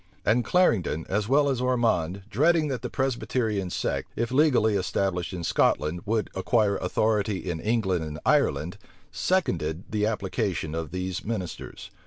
And Clarendon, as well as Ormond, dreading that the Presbyterian sect, if legally established in Scotland, would acquire authority in England and Ireland, seconded the application of these ministers.